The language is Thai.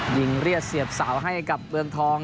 เรียกเสียบสาวให้กับเมืองทอง